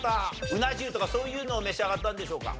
うな重とかそういうのを召し上がったんでしょうか？